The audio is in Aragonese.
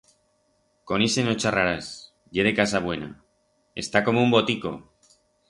Con ixe no charrarás, ye de casa buena, está como un botico!